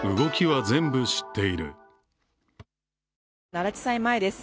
奈良地裁前です。